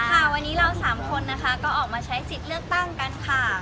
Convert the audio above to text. ค่ะวันนี้เราสามคนนะคะก็ออกมาใช้สิทธิ์เลือกตั้งกันค่ะ